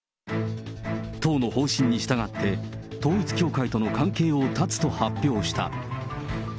党の方針に従って、統一教会との関係を断つと発表した。